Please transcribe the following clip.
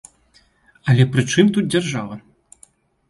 Але пры чым тут дзяржава?